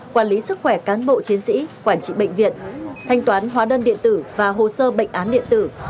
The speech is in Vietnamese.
quản lý sức khỏe cán bộ chiến sĩ quản trị bệnh viện thanh toán hóa đơn điện tử và hồ sơ bệnh án điện tử